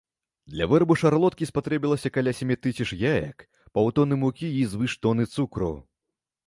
Для вырабу шарлоткі спатрэбілася каля сямі тысяч яек, паўтоны мукі і звыш тоны цукру.